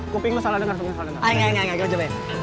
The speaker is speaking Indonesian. kuping lo salah denger